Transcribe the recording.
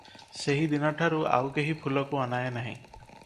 ସେହି ଦିନଠାରୁ ଆଉ କେହି ଫୁଲକୁ ଅନାଏ ନାହିଁ ।